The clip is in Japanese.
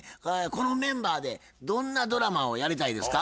このメンバーでどんなドラマをやりたいですか？